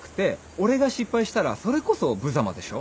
俺が失敗したらそれこそぶざまでしょ？